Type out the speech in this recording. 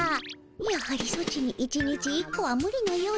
やはりソチに１日１個はむりのようじゃの。